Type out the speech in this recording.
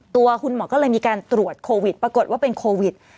ตัวคุณหมอก็เลยมีการตรวจโควิดปรากฏว่าเป็นโควิด